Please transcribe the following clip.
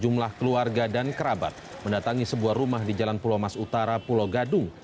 jumlah keluarga dan kerabat mendatangi sebuah rumah di jalan pulau mas utara pulau gadung